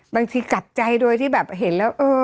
บางทีกัดใจโดยที่แบบเห็นแล้วเออแบบ